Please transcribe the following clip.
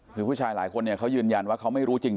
คือผู้ชายหลายคนเนี่ยเขายืนยันว่าเขาไม่รู้จริง